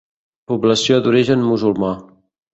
Població d'origen musulmà.